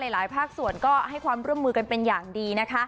หลายภาคส่วนก็ให้ความร่วมมือกันเป็นอย่างดีนะคะ